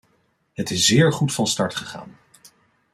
Het is zeer goed van start gegaan.